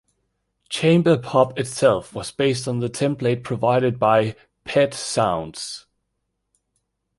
Chamber pop itself was based on the template provided by "Pet Sounds".